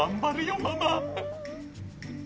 ママ。